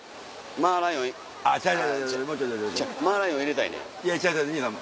マーライオン入れたいねん。